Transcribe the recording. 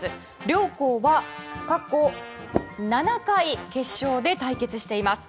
両校は過去７回決勝で対決しています。